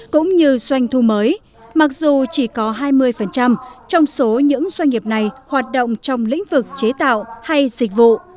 cũng như doanh thu mới mặc dù chỉ có hai mươi trong số những doanh nghiệp này hoạt động trong lĩnh vực chế tạo hay dịch vụ